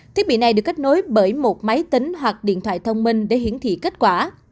thiết bị này được kết nối bởi một máy tính hoặc điện thoại thông minh để hiển thị kết quả